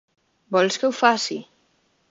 Vols que ho faci?